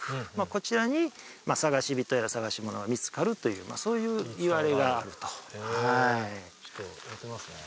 こちらに探し人や探し物が見つかるというそういういわれがあるとはいへえちょっとやってみますね